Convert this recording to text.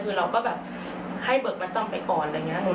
คือเราก็แบบให้เบิกมัดจำไปก่อนอะไรอย่างนี้